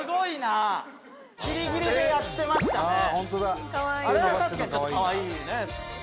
あれは確かにちょっとかわいいね